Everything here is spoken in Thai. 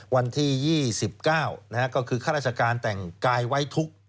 วันที่๒๙ก็คือข้าราชการแต่งกายไว้ทุกข์